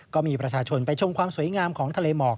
ก็มีประชาชนไปชมความสวยงามของทะเลหมอก